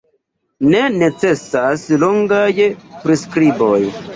Ne necesas longaj priskriboj.